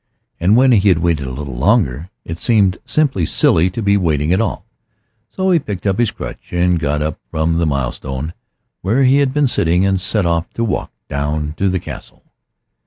And when he had waited a little longer, it seemed simply silly to be waiting at all. So he picked up his crutch and got up from the milestone where he had been sitting and set off to walk down to the Castle.